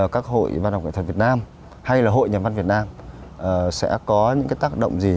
các hội văn học kỹ thuật việt nam hay là hội nhà văn việt nam sẽ có những tác động gì